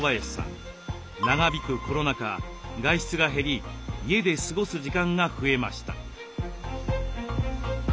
長引くコロナ禍外出が減り家で過ごす時間が増えました。